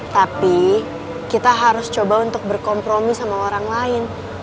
tapi kita harus coba untuk berkompromi sama orang lain